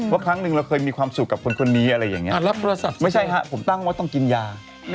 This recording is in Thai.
ครั้งหนึ่งเราเคยมีความสุขกับคนนี้อะไรอย่างนี้ไม่ใช่ฮะผมตั้งว่าต้องกินยา